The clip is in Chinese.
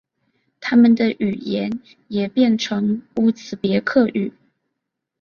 他们语言也变成乌兹别克语。